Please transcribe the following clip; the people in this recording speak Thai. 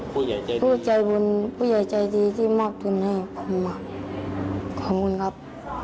พอผู้ใจบุญผู้ใจใจดีที่มอบเงินให้ผมนะขอบคุณครับ